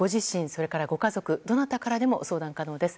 それからご家族どなたからでも相談可能です。